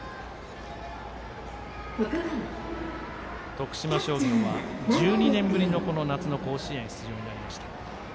徳島商業は、１２年ぶりの夏の甲子園出場になりました。